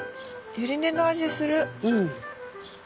ユリ根の味する。